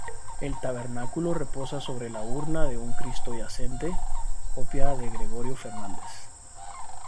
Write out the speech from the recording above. El tabernáculo reposa sobre la urna de un cristo yacente, copia de Gregorio Fernández.